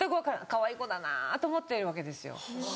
かわいい子だなぁと思ってるわけですよ。